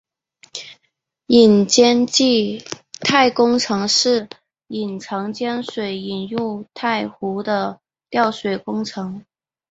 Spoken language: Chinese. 引江济太工程是引长江水进入太湖的调水工程。